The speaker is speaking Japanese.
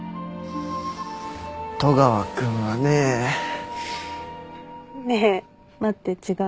戸川君はね。ねえ待って違う。